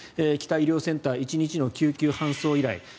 北医療センター１日の救急搬送以来